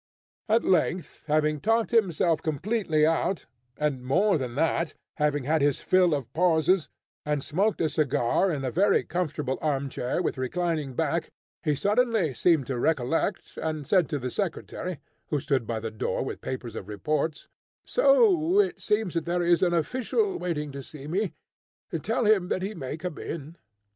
At length, having talked himself completely out, and more than that, having had his fill of pauses, and smoked a cigar in a very comfortable arm chair with reclining back, he suddenly seemed to recollect, and said to the secretary, who stood by the door with papers of reports, "So it seems that there is an official waiting to see me. Tell him that he may come in."